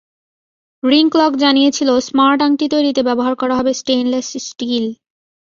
Ring clock জানিয়েছিল, smart আংটি তৈরিতে ব্যবহার করা হবে স্টেনলেস স্টিল।